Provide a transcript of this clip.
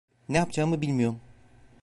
Ne yapacağımı bilmiyorum.